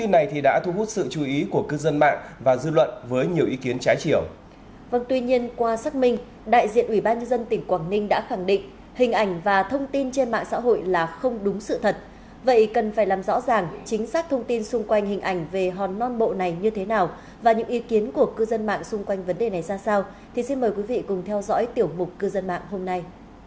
vậy cần phải làm rõ ràng chính xác thông tin xung quanh hình ảnh về hòn non bộ này như thế nào và những ý kiến của cư dân mạng xung quanh vấn đề này ra sao thì xin mời quý vị cùng theo dõi tiểu mục cư dân mạng hôm nay